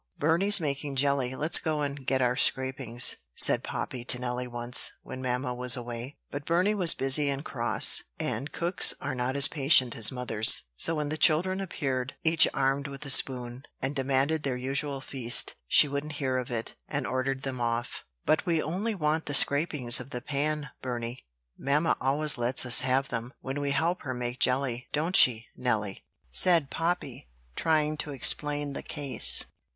"Burney's making jelly: let's go and get our scrapings," said Poppy to Nellie once, when mamma was away. But Burney was busy and cross, and cooks are not as patient as mothers; so when the children appeared, each armed with a spoon, and demanded their usual feast, she wouldn't hear of it, and ordered them off. "But we only want the scrapings of the pan, Burney: mamma always lets us have them, when we help her make jelly; don't she, Nelly?" said Poppy, trying to explain the case.